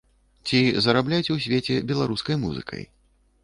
Ці зарабляць у свеце беларускай музыкай?